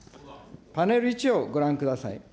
パネル１をご覧ください。